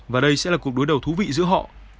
và đây sẽ là cuộc đối đầu thú vị giữa họ